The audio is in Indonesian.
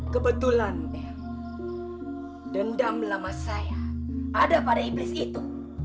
kebetulan dendam lama saya ada pada iblis itu